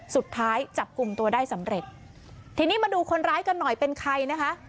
สุดท้ายจับกลุ่มตัวได้สำเร็จทีนี้มาดูคนร้ายกันหน่อยเป็นใครนะคะ